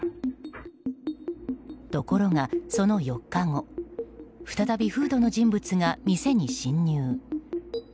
ところが、その４日後再びフードの人物が店に侵入。